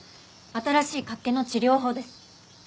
新しい脚気の治療法です。